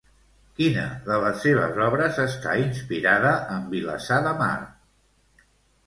Quina de les seves obres està inspirada en Vilassar de Mar?